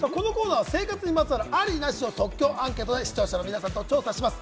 生活にまつわるありなしを即興アンケートで視聴者の皆さんと調査します。